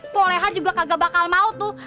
poleha juga kagak bakal mau tuh